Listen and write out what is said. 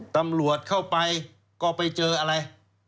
ตำรวจเข้าไปก็ไปเจออะไร